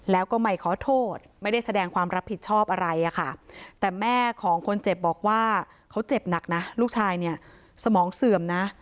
แล้วก็ไม่ขอโทษไม่ได้แสดงความรับผิดชอบอะไรอะค่ะแต่แม่ของคนเจ็บบอกว่าเขาเจ็บหนักนะลูกชายเนี่ยสมองเสื่อมนะ